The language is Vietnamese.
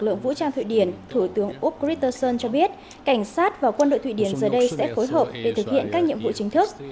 lực lượng vũ trang thụy điển thủ tướng úc christensen cho biết cảnh sát và quân đội thụy điển giờ đây sẽ phối hợp để thực hiện các nhiệm vụ chính thức